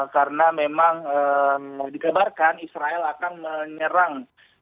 karena memang dikabarkan israel akan menyerang